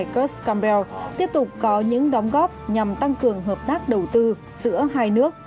kurt campbell tiếp tục có những đóng góp nhằm tăng cường hợp tác đầu tư giữa hai nước